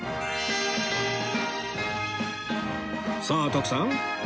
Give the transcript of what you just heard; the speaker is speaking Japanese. さあ徳さん